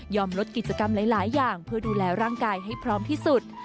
ลดกิจกรรมหลายอย่างเพื่อดูแลร่างกายให้พร้อมที่สุด